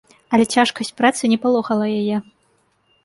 Але цяжкасць працы не палохала яе.